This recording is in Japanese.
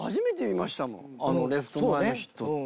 レフト前のヒットって。